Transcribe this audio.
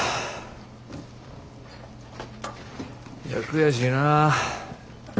悔しいなぁ。